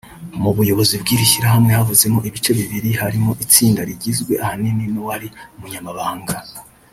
mu buyobozi bw’iri shyirahamwe havutsemo ibice bibiri harimo itsinda rigizwe ahanini n’uwari Umunyamabanga